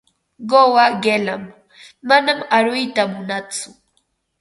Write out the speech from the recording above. Quwaa qilam, manam aruyta munantsu.